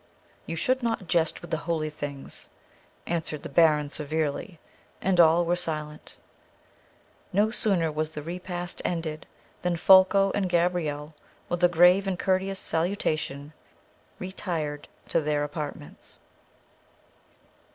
"You should not jest with holy things," answered the baron severely, and all were silent. No sooner was the repast ended, than Folko and Gabrielle, with a grave and courteous salutation, retired to their apartments.